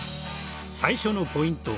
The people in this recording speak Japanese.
最初のポイント